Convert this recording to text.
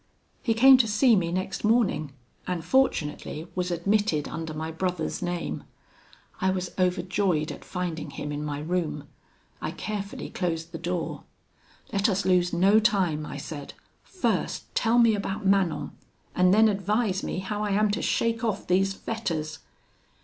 "He came to see me next morning, and fortunately was admitted under my brother's name. I was overjoyed at finding him in my room. I carefully closed the door. 'Let us lose no time,' I said. 'First tell me about Manon, and then advise me how I am to shake off these fetters.'